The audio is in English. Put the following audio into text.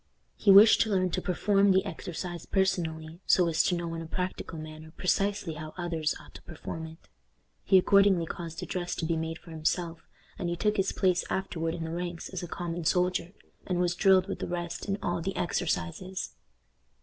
He wished to learn to perform the exercise personally, so as to know in a practical manner precisely how others ought to perform it. He accordingly caused a dress to be made for himself, and he took his place afterward in the ranks as a common soldier, and was drilled with the rest in all the exercises.